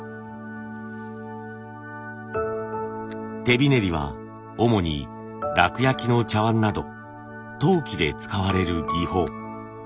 手びねりは主に楽焼の茶碗など陶器で使われる技法。